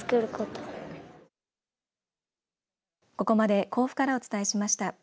ここまで甲府からお伝えしました。